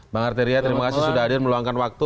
bang arteria terima kasih sudah hadir meluangkan waktu